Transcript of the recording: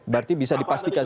berarti bisa dipastikan